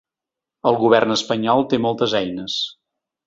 El govern espanyol té moltes eines.